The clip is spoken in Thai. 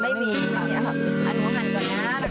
ไม่มีขนาดนี้ครับ